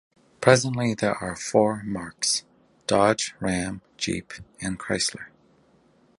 Presently there are four marques: Dodge, Ram, Jeep, and Chrysler.